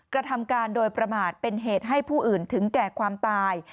กระทำการโดยประมาทเป็นเหตุให้ผู้อื่นถึงแก่ความตาย